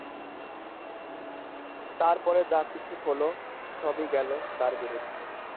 তার পরে যা-কিছু হল সবই গেল তার বিরুদ্ধে।